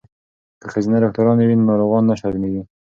که ښځینه ډاکټرانې وي نو ناروغانې نه شرمیږي.